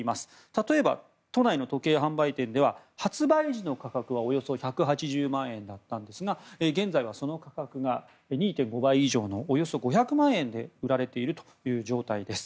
例えば都内の時計販売店では発売時の価格はおよそ１８０万円だったんですが現在、その価格が２．５倍以上のおよそ５００万円で売られているという状態です。